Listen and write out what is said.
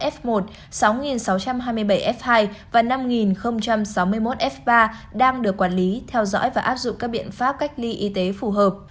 sáu sáu trăm hai mươi bảy f một sáu sáu trăm hai mươi bảy f hai và năm sáu mươi một f ba đang được quản lý theo dõi và áp dụng các biện pháp cách ly y tế phù hợp